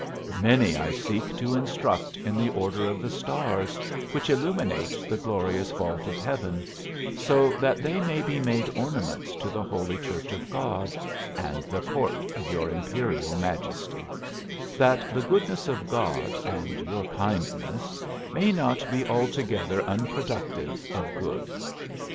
Many I seek to instruct in the order of the stars which illuminate the glorious vault of heaven, so that they may be made ornaments to the holy church of God and the court of your imperial majesty; that the goodness of God and your kindness may not be altogether unproductive of good.